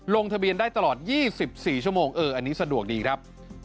ลงทะเบียนได้ตลอด๒๔ชั่วโมงเอออันนี้สะดวกดีครับ